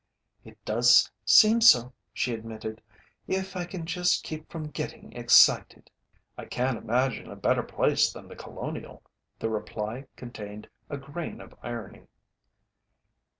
"It does seem so," she admitted. "If I can just keep from getting excited." "I can't imagine a better place than The Colonial." The reply contained a grain of irony.